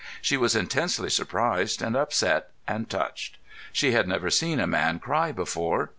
She was intensely surprised and upset and touched. She had never seen a man cry before.